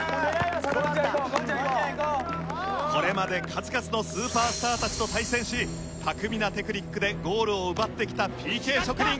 これまで数々のスーパースターたちと対戦し巧みなテクニックでゴールを奪ってきたＰＫ職人。